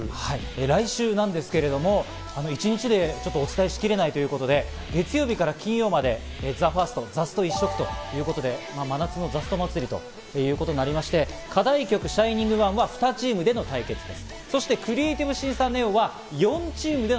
来週なんですけれども、一日でお伝えしきれないということで、月曜日から金曜日までＴＨＥＦＩＲＳＴ、ザスト一色ということで「真夏のザスト祭」ということになりまして、課題曲『ＳｈｉｎｉｎｇＯｎｅ』は２チームでの対決です。